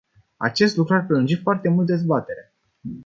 Acest lucru ar prelungi foarte mult dezbaterea.